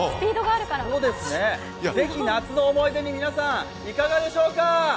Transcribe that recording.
ぜひ夏の思い出に皆さんいかがでしょうか。